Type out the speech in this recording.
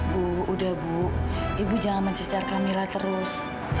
bu udah bu ibu jangan mencecar kamilah terus